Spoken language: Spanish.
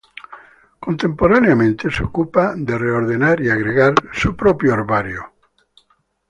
Contemporáneamente se ocupa de reordenar y agregar su propio herbario.